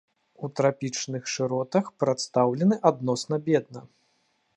У трапічных шыротах прадстаўлены адносна бедна.